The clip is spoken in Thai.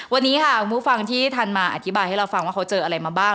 วันนี้ค่ะคุณผู้ฟังที่ท่านมาอธิบายให้เราฟังว่าเขาเจออะไรมาบ้าง